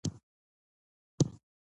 تاریخ د واقعیت انعکاس دی.